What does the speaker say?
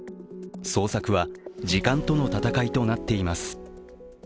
捜索は時間との戦いとなっています。